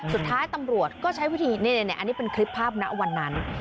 สุดท้ายตำรวจก็ใช้วิธีนี่อันนี้เป็นคลิปภาพณวันนั้น